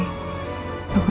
aku telepon ya